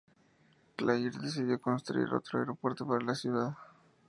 Clair decidió construir otro aeropuerto para la ciudad.